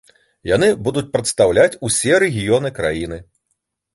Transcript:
Яны будуць прадстаўляць усе рэгіёны краіны.